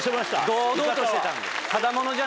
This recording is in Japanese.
堂々としてたんで。